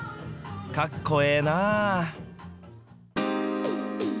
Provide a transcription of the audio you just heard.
かっこええなぁ。